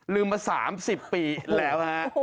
ลืมมา๓๐ปีแล้วฮะ